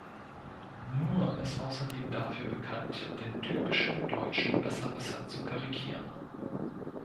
Nuhr ist außerdem dafür bekannt, den typischen deutschen Besserwisser zu karikieren.